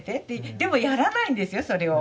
でもやらないんですよそれを。